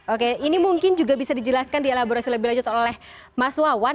oke ini mungkin juga bisa dijelaskan dielaborasi lebih lanjut oleh mas wawan